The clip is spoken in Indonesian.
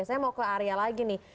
saya mau ke area lagi nih